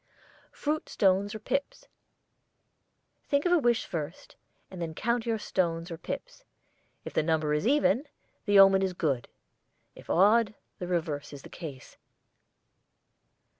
FRUIT STONES OR PIPS. Think of a wish first, and then count your stones or pips. If the number is even, the omen is good. If odd, the reverse is the case.